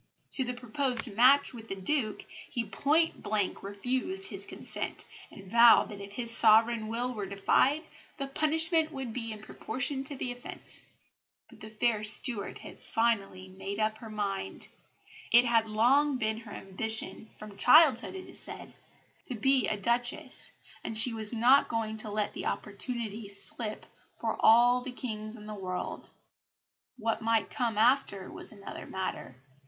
To the proposed match with the Duke he point blank refused his consent, and vowed that if his sovereign will were defied, the punishment would be in proportion to the offence. But the fair Stuart had finally made up her mind. It had long been her ambition from childhood, it is said to be a Duchess, and she was not going to let the opportunity slip for all the kings in the world. What might come after was another matter.